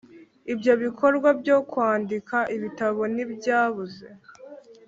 ibyo bikorwa byo kwandika ibitabo ntibyabuze